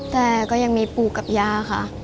แต่ก็ยังมีปู่กับยาค่ะ